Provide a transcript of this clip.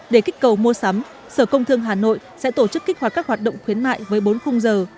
để kích cầu mua sắm sở công thương hà nội sẽ tổ chức kích hoạt các hoạt động khuyến mại với bốn khung giờ